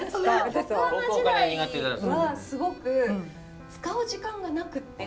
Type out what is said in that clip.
局アナ時代はすごく使う時間がなくって。